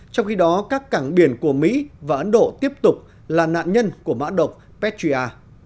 trong khi đó các cảng biển của mỹ và ấn độ tiếp tục là nạn nhân của mã độc pedria